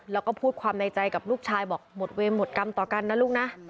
แล้วก็พูดความในใจกับลูกชายบอกหมดเวรหมดกรรมต่อกันนะลูกนะ